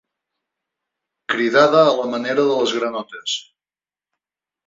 Cridada a la manera de les granotes.